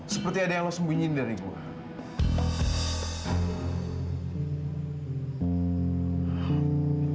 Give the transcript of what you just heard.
seperti ada yang lo sembunyiin dari gua